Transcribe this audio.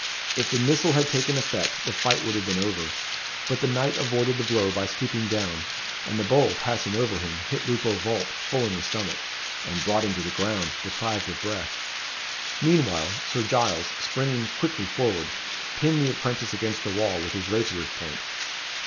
If the missile had taken effect, the fight would have been over; but the knight avoided the blow by stooping down, and the bowl, passing over him, hit Lupo Vulp full in the stomach, and brought him to the ground deprived of breath. Meanwhile, Sir Giles, springing quickly forward, pinned the apprentice against the wall with his rapier's point.